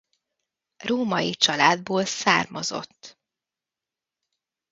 Római családból származott.